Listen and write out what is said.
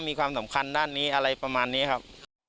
มีความสำคัญด้านนี้อะไรประมาณนี้ครับ